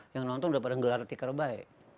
yang nonton udah pada ngelar tikerbaik